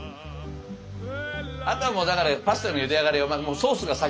あとはだからパスタのゆで上がりよりソースが先。